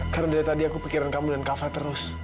karena dari tadi aku pikiran kamu dan kak fadil terus